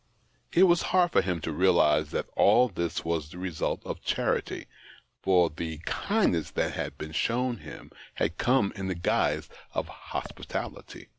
It was hard for him to realize that all this was the result of charity, for the kind ness that had been shown him had come in the guise of hospitality.